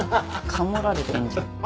カモられてんじゃん。